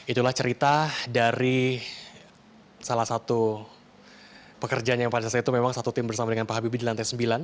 itulah cerita dari salah satu pekerjaan yang pada saat itu memang satu tim bersama dengan pak habibie di lantai sembilan